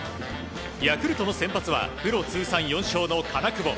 ヤクルトの先発はプロ通算４勝の金久保。